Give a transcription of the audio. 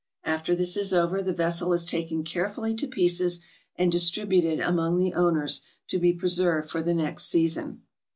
After this is over, the vessel is taken carefully to pieces, and distributed among the owners, to be preserved for the next season.